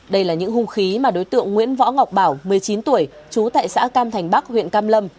đây là những hung khí mà đối tượng nguyễn võ ngọc bảo một mươi chín tuổi trú tại xã cam thành bắc huyện cam lâm